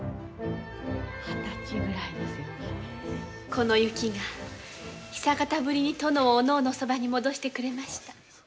この雪が、久方ぶりに殿をお濃のそばに戻してくれました。